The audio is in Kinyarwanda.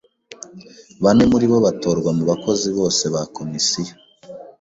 Bane muri bo batorwa mu bakozi bose ba Komisiyo